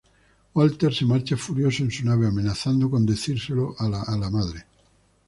Walter se marcha furioso en su nave, amenazando con decirle a su madre.